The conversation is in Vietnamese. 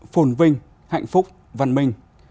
phồn vinh hạnh phúc văn minh